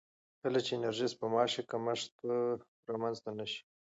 کله چې انرژي سپما شي، کمښت به رامنځته نه شي.